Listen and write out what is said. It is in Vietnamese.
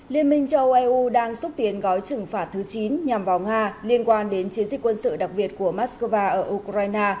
liên minh châu âu eu đang xúc tiến gói trừng phạt thứ chín nhằm vào nga liên quan đến chiến dịch quân sự đặc biệt của moscow ở ukraine